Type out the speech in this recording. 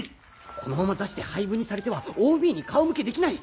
このまま座して廃部にされてはＯＢに顔向けできない！